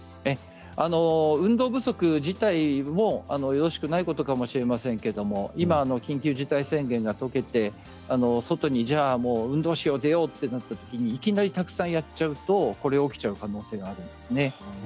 運動不足自体もよろしくないことかもしれませんが今、緊急事態宣言が解けて外に運動しよう出ようとなったとき、いきなりたくさんやっちゃうとこれが起きちゃう可能性があるんですね。